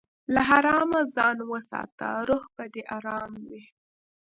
له حرامه ځان وساته، روح به دې ارام وي.